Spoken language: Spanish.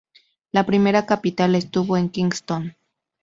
La primera capital estuvo en Kingston.